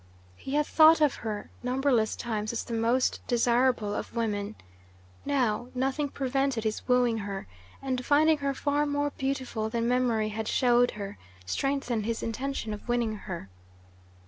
He had thought of her numberless times as the most desirable of women. Now nothing prevented his wooing her, and finding her far more beautiful than memory had showed her, strengthened his intention of winning her.